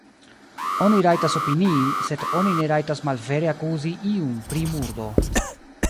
Oni rajtas opinii, sed oni ne rajtas malvere akuzi iun pri murdo.